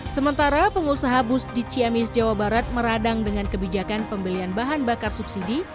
sementara pengusaha bus di ciamis jawa barat meradang dengan kebijakan pembelian bahan bakar subsidi